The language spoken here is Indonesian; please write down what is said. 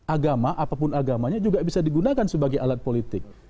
agama apapun agamanya juga bisa digunakan sebagai alat politik